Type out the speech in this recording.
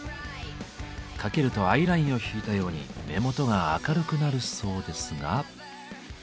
かけるとアイラインを引いたように目元が明るくなるそうですが。